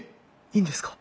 いいんですか？